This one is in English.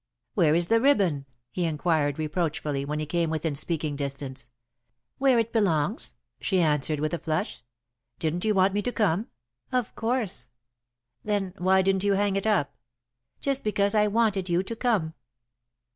"Where is the ribbon?" he inquired, reproachfully, when he came within speaking distance. "Where it belongs," she answered, with a flush. "Didn't you want me to come?" "Of course." "Then why didn't you hang it up?" "Just because I wanted you to come."